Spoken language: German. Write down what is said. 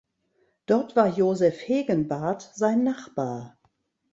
Dort war Josef Hegenbarth sein Nachbar.